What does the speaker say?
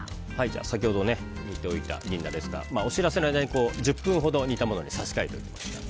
先ほど煮ておいた銀ダラですがお知らせの間に１０分ほど煮たものに差し替えておきました。